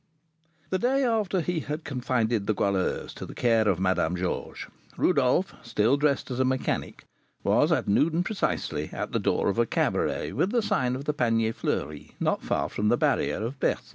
The day after he had confided the Goualeuse to the care of Madame Georges, Rodolph, still dressed as a mechanic, was, at noon precisely, at the door of a cabaret with the sign of the Panier Fleuri, not far from the barrier of Bercy.